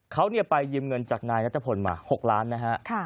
เขาไปยืมเงินจากนายนัทพลมา๖ล้านนะฮะ